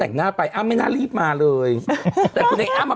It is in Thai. แล้วคุณให้อ้ำไปรอทำไมล่ะ